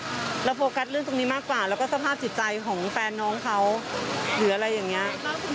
เราโฟกัสเรื่องตรงนี้มากกว่าแล้วก็สภาพจิตใจของแฟนน้องเขาหรืออะไรอย่างนี้